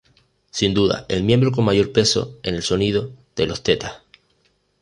Sin duda el miembro con mayor peso en el sonido de Los Tetas.